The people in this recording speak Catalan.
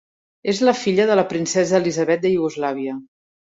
És la filla de la princesa Elisabet de Iugoslàvia.